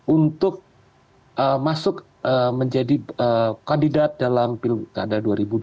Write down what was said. untuk masuk menjadi kandidat dalam pilkada dua ribu dua puluh